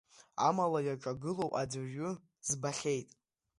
Амала, иаҿагылоу аӡәырҩы збахьеит.